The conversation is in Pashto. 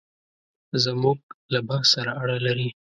زموږ له بحث سره اړه لري.